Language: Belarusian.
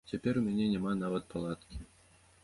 Цяпер у мяне няма нават палаткі.